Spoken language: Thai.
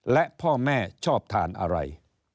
และพ่อแม่ชอบทานอะไร